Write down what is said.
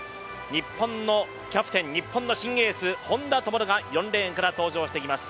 日本のキャプテン日本の新エース・本多灯が４レーンから登場してきます。